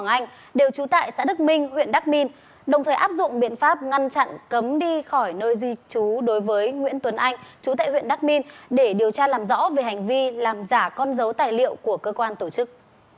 trần huynh đệ đã đưa chú tại xã đức minh huyện đắc minh đồng thời áp dụng biện pháp ngăn chặn cấm đi khỏi nơi di trú đối với nguyễn tuấn anh chú tại huyện đắc minh để điều tra làm rõ về hành vi làm giả con dấu tài liệu của cơ quan tổ chức